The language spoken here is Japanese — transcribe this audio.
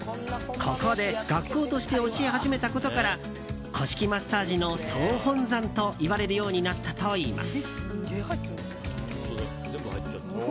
ここで学校として教え始めたことから古式マッサージの総本山といわれるようになったといいます。